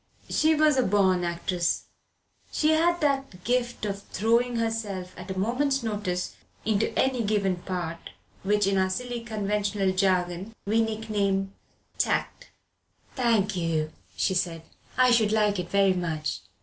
She was a born actress; she had that gift of throwing herself at a moment's notice into a given part which in our silly conventional jargon we nickname tact. "Thank you," she said, "I should like it very much."